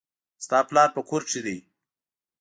ستا پلار په کور کښي دئ.